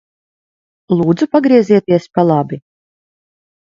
Lūdzu pagriezieties pa labi.